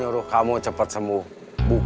terdapat banyak tanggung